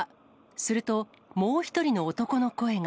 すると、もう一人の男の声が。